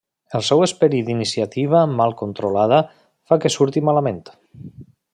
El seu esperit d'iniciativa mal controlada fa que surti malament.